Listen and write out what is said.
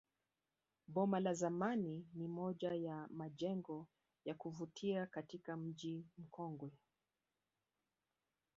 Boma la zamani ni moja ya majengo ya kuvutia katika mji mkongwe